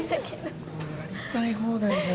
もうやりたい放題じゃん。